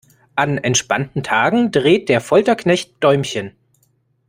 An entspannten Tagen dreht der Folterknecht Däumchen.